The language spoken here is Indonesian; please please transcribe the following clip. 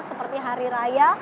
seperti hari raya